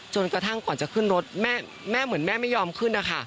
จนกระทั่งก่อนจะขึ้นรถแม่เหมือนแม่ไม่ยอมขึ้นนะคะ